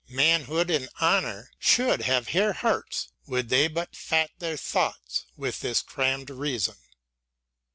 Manhood and Honour Should have hare hearts would they but fat their thoughts With this crammed reason.